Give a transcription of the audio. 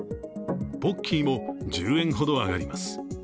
ポッキーも１０円ほど上がります。